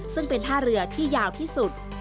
ซึ่งเป็นท่าเรือที่ยาวที่สุด